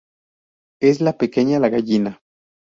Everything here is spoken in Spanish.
Es la peña La Gallina.